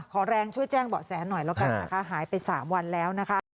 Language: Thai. ขอแรงช่วยแจ้งเบาะแสนหน่อยละกันหายไป๓วันแล้วนะคะ